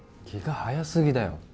気が早すぎだよ